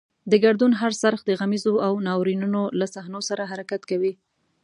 د ګردون هر څرخ د غمیزو او ناورینونو له صحنو سره حرکت کوي.